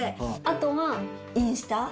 あとはインスタ。